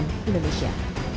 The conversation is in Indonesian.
tim liputan cnn indonesia